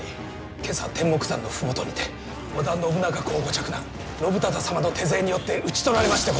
今朝天目山の麓にて織田信長公ご嫡男信忠様の手勢によって討ち取られましてございます。